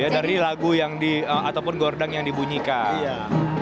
dari lagu yang di ataupun gordang yang dibunyikan